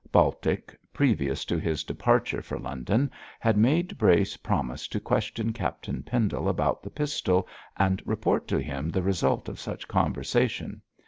Baltic, previous to his departure for London, had made Brace promise to question Captain Pendle about the pistol, and report to him the result of such conversation.